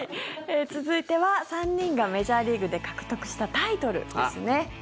続いては３人がメジャーリーグで獲得したタイトルですね。